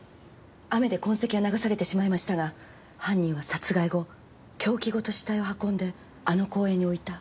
雨で痕跡は流されてしまいましたが犯人は殺害後凶器ごと死体を運んであの公園に置いた。